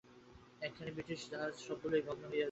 একখানি ব্রিটিশ জাহাজ ছাড়া সবগুলিই ভগ্ন হইয়া ডুবিয়া যায়।